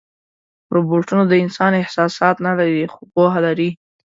روبوټونه د انسان احساسات نه لري، خو پوهه لري.